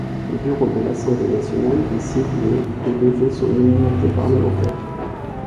Le bureau de l'Assemblée nationale décide le de lever son immunité parlementaire.